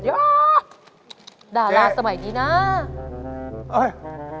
ยาดาราสมัยนี้เนี่ย